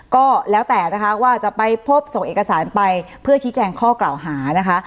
ก็แล้วแต่นะคะว่าจะไปพบส่งเอกสารไปเพื่อชี้แจงข้อกล่าวหานะคะ